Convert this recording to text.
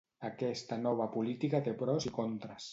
Aquesta nova política té pros i contres.